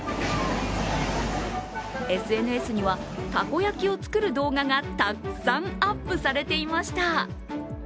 ＳＮＳには、たこ焼きを作る動画がたくさんアップされていました。